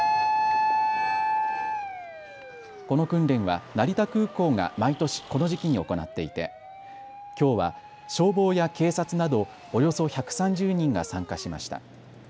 この訓練は成田空港が毎年この時期に行っていてきょうは消防や警察などおよそ１３０人が参加しました。